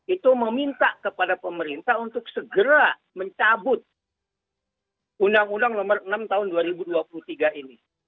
itu meminta kepada pemerintah untuk segera mencabut undang undang nomor enam tahun dua ribu dua puluh tiga ini